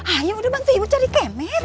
ayo bantu ibu cari kemet